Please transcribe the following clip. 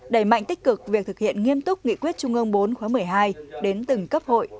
đẩy mạnh tích cực việc thực hiện nghiêm túc nghị quyết trung ương bốn khóa một mươi hai đến từng cấp hội